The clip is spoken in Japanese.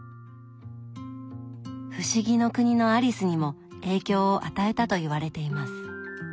「不思議の国のアリス」にも影響を与えたといわれています。